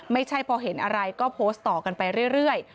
ไม่ใช่พอเห็นอะไรก็โพสต์ต่อกันไปเรื่อย